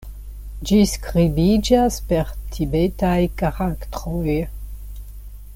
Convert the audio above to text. Ĝi skribiĝas per tibetaj karaktroj.